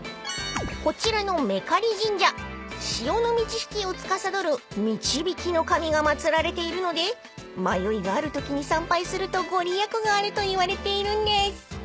［こちらの和布刈神社潮の満ち引きをつかさどる導きの神が祭られているので迷いがあるときに参拝すると御利益があるといわれているんです］